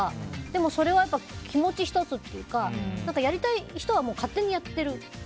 でも、それは気持ち１つというかやりたい人は勝手にやってる。